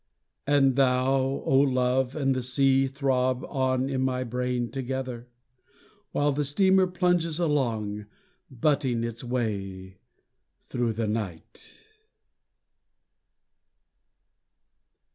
And thou, O love, and the sea throb on in my brain together, While the steamer plunges along, Butting its way through the night.